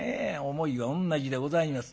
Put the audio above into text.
思いは同じでございます。